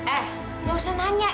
eh gak usah nanya